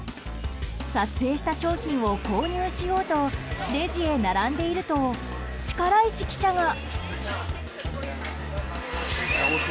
撮影した商品を購入しようとレジへ並んでいると力石記者が。